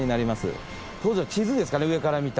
当時の地図ですかね上から見た。